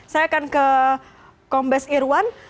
saya akan ke kombes irwan